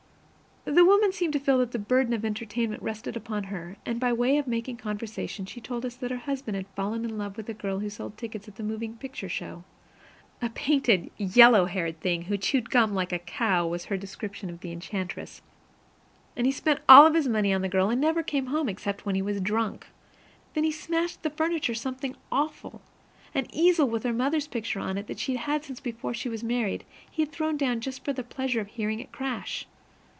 The woman seemed to feel that the burden of entertainment rested upon her, and by way of making conversation, she told us that her husband had fallen in love with the girl who sold tickets at a moving picture show (a painted, yellow haired thing who chewed gum like a cow, was her description of the enchantress), and he spent all of his money on the girl, and never came home except when he was drunk. Then he smashed the furniture something awful. An easel, with her mother's picture on it, that she had had since before she was married, he had thrown down just for the pleasure of hearing it crash.